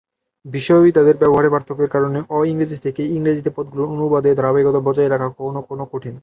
বিশ্বব্যাপী তাদের ব্যবহারের পার্থক্যের কারণে, অ-ইংরেজি থেকে ইংরেজিতে পদগুলির অনুবাদে ধারাবাহিকতা বজায় রাখা কখনও কখনও কঠিন।